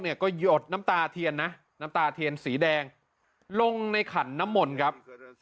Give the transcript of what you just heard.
หยดน้ำตาเทียนนะน้ำตาเทียนสีแดงลงในขันน้ำมนต์ครับ